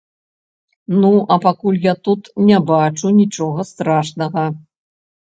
Ну а пакуль я тут не бачу нічога страшнага.